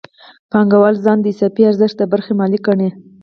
پانګوال ځان د اضافي ارزښت د برخې مالک ګڼي